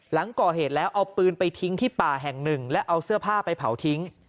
หลังก่อเหตุแล้วเอาปืนไปทิ้งที่ป่าแห่งหนึ่งและเอาเสื้อผ้าไปเผาทิ้ง